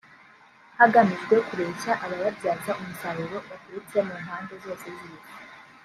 hagamijwe kureshya abayabyaza umusaruro baturutse mu mpande zose z’isi